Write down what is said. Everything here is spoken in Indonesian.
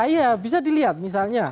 iya bisa dilihat misalnya